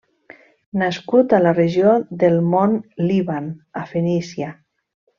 Nascut a la regió del Mont Líban a Fenícia.